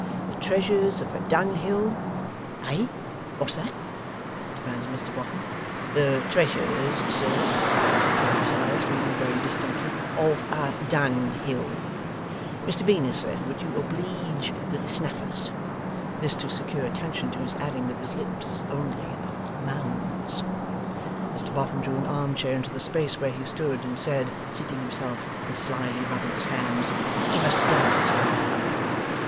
The Treasures of a Dunghill "' 'Eh? What's that?' demanded Mr Boffin. '"The Treasures," sir,' repeated Silas, reading very distinctly, '"of a Dunghill." Mr Venus, sir, would you obleege with the snuffers?' This, to secure attention to his adding with his lips only, 'Mounds!' Mr Boffin drew an arm chair into the space where he stood, and said, seating himself and slyly rubbing his hands: 'Give us Dancer.